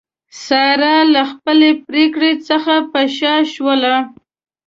ساره له خپلې پرېکړې څخه په شا شوله.